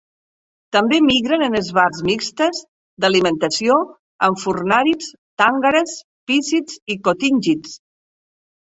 També migren en esbarts mixtes d'alimentació amb furnàrids, tàngares, pícids i cotíngids.